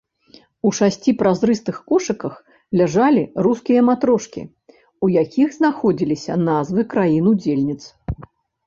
У шасці празрыстых кошыках ляжалі рускія матрошкі, у якіх знаходзіліся назвы краін-удзельніц.